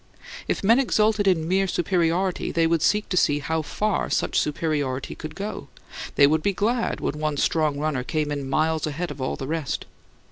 If men exulted in mere superiority, they would seek to see how far such superiority could go; they would be glad when one strong runner came in miles ahead of all the rest.